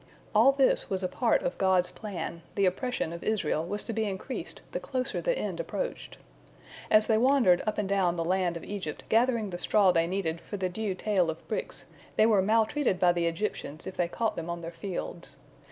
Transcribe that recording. All this was a part of God's plan, the oppression of Israel was to be increased the closer the end approached. As they wandered up and down the land of Egypt gathering the straw they needed for the due tale of bricks, they were maltreated by the Egyptians if they caught them on their fields.